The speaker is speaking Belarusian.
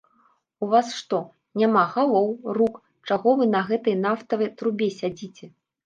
У вас, што, няма галоў, рук, чаго вы на гэтай нафтавай трубе сядзіце?